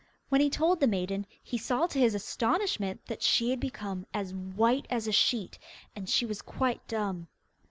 When he told the maiden, he saw to his astonishment that she had become as white as a sheet, and she was quite dumb.